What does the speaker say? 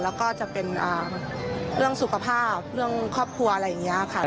แล้วก็จะเป็นเรื่องสุขภาพเรื่องครอบครัวอะไรอย่างนี้ค่ะ